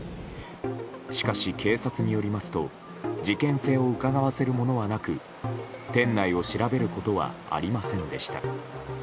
しかし、警察によりますと事件性をうかがわせるものはなく店内を調べることはありませんでした。